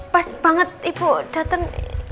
pas banget ibu datang